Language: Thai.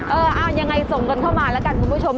เออเอายังไงส่งกันเข้ามาแล้วกันคุณผู้ชม